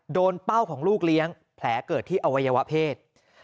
เป้าของลูกเลี้ยงแผลเกิดที่อวัยวะเพศ